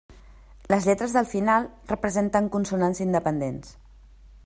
Les lletres del final representen consonants independents.